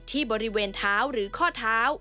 ที่บริเวณเท้าหรือข้อเท้า